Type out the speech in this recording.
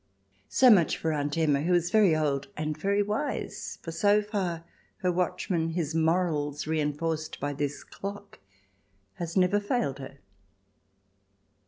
So much for Aunt Emma, who is very old and very wise, for so far her watchman, his morals reinforced by this clock, has never failed her.